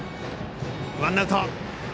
ワンアウト。